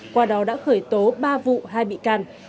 qua đó đã khởi tố ba vụ hai bị can